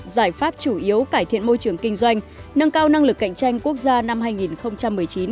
giải pháp chủ yếu cải thiện môi trường kinh doanh nâng cao năng lực cạnh tranh quốc gia năm hai nghìn một mươi chín